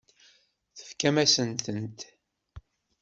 Tefkamt-asent-tent.